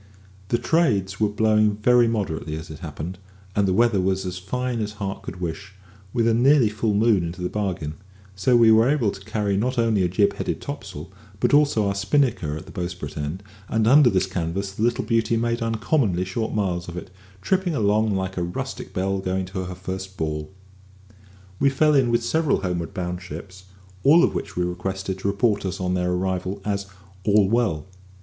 The "trades" were blowing very moderately as it happened, and the weather was as fine as heart could wish, with a nearly full moon into the bargain, so we were able to carry not only a jib headed topsail, but also our spinnaker at the bowsprit end; and under this canvas the little beauty made uncommonly short miles of it, tripping along like a rustic belle going to her first ball. We fell in with several homeward bound ships, all of whom we requested to report us on their arrival as "all well."